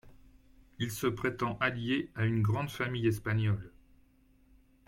Il se prétend allié à une grande famille espagnole.